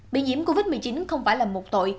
bị nhiễm covid một mươi chín không phải là một tội